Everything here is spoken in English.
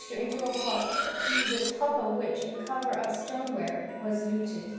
97 siixtTire into a pot, to the top of which a cover of stone ware was luted.